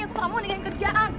aku mau nih yang kerjaan